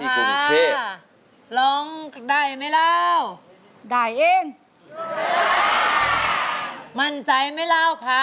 เป็นยังไงหรอคะ